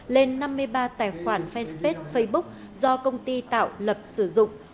lên năm mươi ba tài khoản fanpage facebook do công ty tạo lập sử dụng